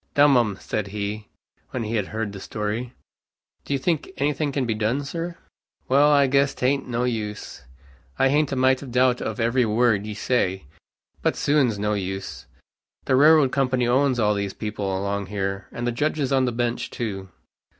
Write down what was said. "Dum 'em," said he, when he had heard the story. "Do you think any thing can be done, sir?" "Wal, I guess tain't no use. I hain't a mite of doubt of every word you say. But suin's no use. The railroad company owns all these people along here, and the judges on the bench too.